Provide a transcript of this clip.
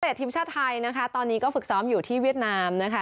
ทีมชาติไทยนะคะตอนนี้ก็ฝึกซ้อมอยู่ที่เวียดนามนะคะ